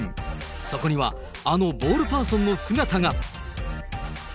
そこにはあのボールパーソンの姿が。